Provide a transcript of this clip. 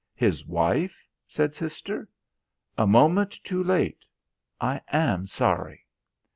"His wife?" said Sister. "A moment too late. I am sorry."